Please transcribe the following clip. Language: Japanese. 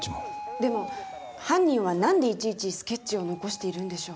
でも犯人はなんでいちいちスケッチを残しているんでしょう？